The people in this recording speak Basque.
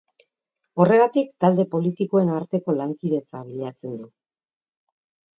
Horregatik, talde politikoen arteko lankidetza bilatzen du.